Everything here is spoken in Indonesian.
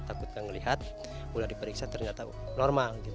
takutnya melihat mulai diperiksa ternyata normal